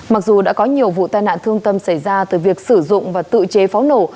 mặc dù đã có nhiều vụ tai nạn thương tâm xảy ra từ việc sử dụng và tự chế pháo nổ